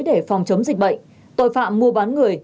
để phòng chống dịch bệnh tội phạm mua bán người